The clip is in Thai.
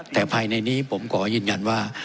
แต่ภายในนี้ผมขอยืนยันว่า